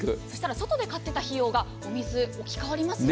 外で買ってた費用が置き換わりますよね。